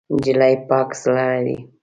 نجلۍ پاک زړه لري.